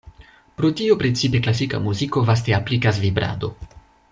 Pro tio precipe klasika muziko vaste aplikas vibrado.